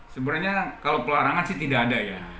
sebenarnya kalau pelarangan sih tidak ada ya